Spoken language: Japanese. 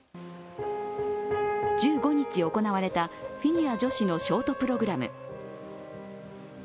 １５日行われたフィギュア女子のショートプログラム。